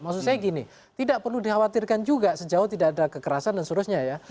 maksud saya gini tidak perlu dikhawatirkan juga sejauh tidak ada kekerasan dan sebagainya ya